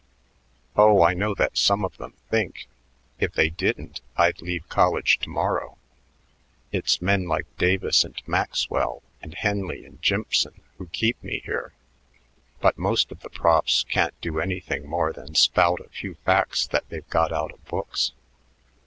Oh, I know that some of them think; if they didn't, I'd leave college to morrow. It's men like Davis and Maxwell and Henley and Jimpson who keep me here. But most of the profs can't do anything more than spout a few facts that they've got out of books.